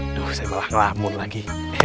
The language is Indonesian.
aduh saya malah ngelamun lagi